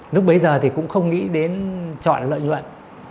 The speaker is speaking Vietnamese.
lúc bấy giờ thì cũng không nghĩ đến chọn lợi nhuận